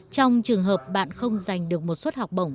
trong trường hợp bạn không giành được một suất học bổng